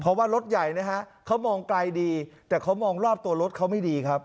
เพราะว่ารถใหญ่นะฮะเขามองไกลดีแต่เขามองรอบตัวรถเขาไม่ดีครับ